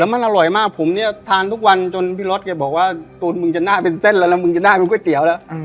มันอร่อยมากผมเนี่ยทานทุกวันจนพี่รถแกบอกว่าตูนมึงจะน่าเป็นเส้นแล้วแล้วมึงจะได้เป็นก๋วยเตี๋ยวแล้ว